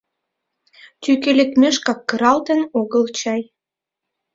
— Тӱкӧ лекмешкак кыралтын огыл чай?